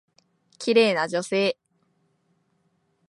綺麗な女性。